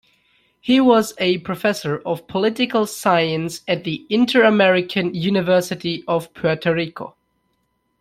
He was a Professor of Political Science at the Interamerican University of Puerto Rico.